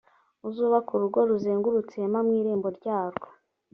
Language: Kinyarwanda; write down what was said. uzubake urugo a ruzengurutse ihema mu irembo ryarwo